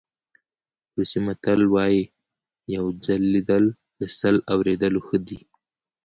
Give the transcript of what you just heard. روسي متل وایي یو ځل لیدل له سل اورېدلو ښه دي.